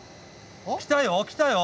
来たよ来たよ。